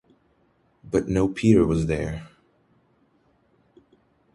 But no Peter was there.